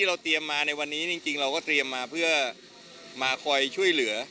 ส่วนจากวันนี้เราก็เตรียมมาเพื่อช่วยเหลือ